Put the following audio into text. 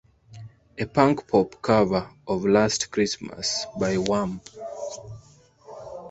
A punk pop cover of "Last Christmas" by Wham!